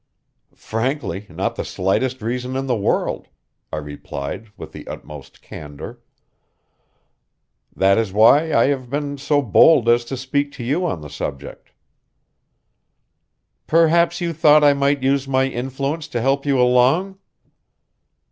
"Frankly, not the slightest reason in the world," I replied with the utmost candor. "That is why I have been so bold as to speak to you on the subject." "Perhaps you thought I might use my influence to help you along?"